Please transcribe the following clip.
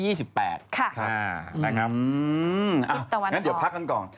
ค่ะน่ะครับอื้มอ่าเดี๋ยวพักกันก่อน